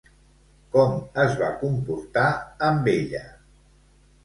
Com es va comportar amb ella?